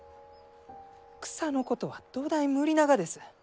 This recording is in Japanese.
草のことはどだい無理ながです。